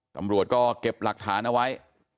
ตำรวจก็เก็บหลักฐานเอาไว้